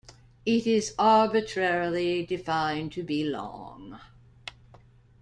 It is arbitrarily defined to be long.